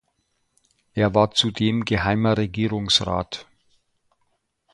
Er war zudem Geheimer Regierungsrat.